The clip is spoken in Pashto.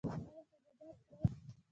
ایا حبوبات خورئ؟